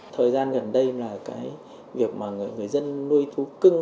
thời gian gần đây là cái việc mà người dân nuôi thú cưng